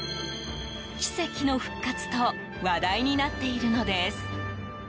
奇跡の復活と話題になっているのです。